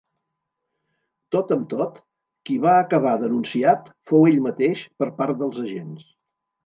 Tot amb tot, qui va acabar denunciat fou ell mateix, per part dels agents.